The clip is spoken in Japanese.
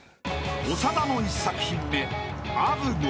［長田の１作品目アブゴ］